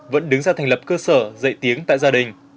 vẫn đứng ra thành lập cơ sở dạy tiếng tại gia đình